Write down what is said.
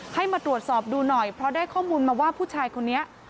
ให้มาตรวจสอบดูหน่อยเพราะได้ข้อมูลมาว่าผู้ชายคนนี้